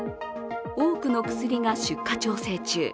多くの薬が出荷調整中。